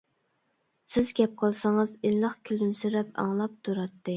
سىز گەپ قىلسىڭىز ئىللىق كۈلۈمسىرەپ ئاڭلاپ تۇراتتى.